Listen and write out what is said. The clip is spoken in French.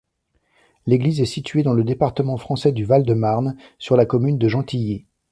L'église est située dans le département français du Val-de-Marne, sur la commune de Gentilly.